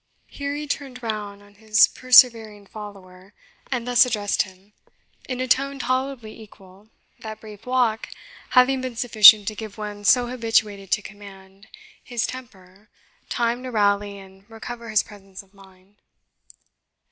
Here he turned round on his persevering follower, and thus addressed him, in a tone tolerably equal, that brief walk having been sufficient to give one so habituated to command his temper time to rally and recover his presence of mind.